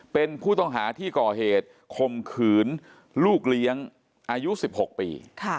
เป็นผู้ต้องหาที่ก่อเหตุคมขืนลูกเลี้ยงอายุ๑๖ปี